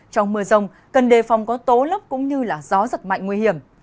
trong mưa rông cân đề phong có tố lóc cũng như gió giật mạnh nguy hiểm